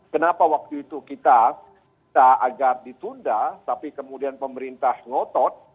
kenapa waktu itu kita agar ditunda tapi kemudian pemerintah ngotot